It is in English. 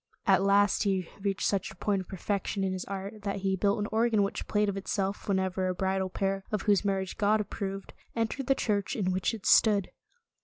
At last, he reached such a point of perfection in his art, that he built an organ which played of itself whene'er a bridal pair, of whose mar riage God approved, entered the church in which it stood.